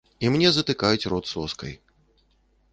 І мне затыкаюць рот соскай.